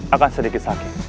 akan sedikit sakit